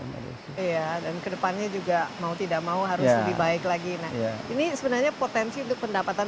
iya dan kedepannya juga mau tidak mau harus lebih baik lagi nah ini sebenarnya potensi untuk pendapatan